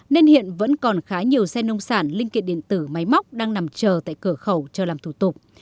nên hiện vẫn còn khá nhiều xe nông sản linh kiện điện tử máy móc đang nằm chờ tại cửa khẩu chờ làm thủ tục